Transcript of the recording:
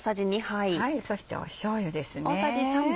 そしてしょうゆですね。